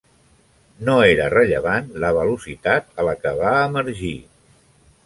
No era rellevant la velocitat a la que va emergir.